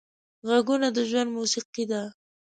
غږونه د ژوند موسیقي ده